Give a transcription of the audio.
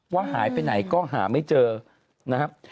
ว่าหายไปไหนก็หาไม่เจอนะครับ